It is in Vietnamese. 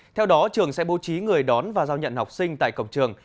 theo đó trường sẽ bố trí người đón và giao nhận học sinh tại cổng trường